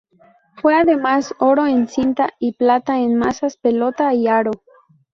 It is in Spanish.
Fue además oro en cinta y plata en mazas, pelota y aro.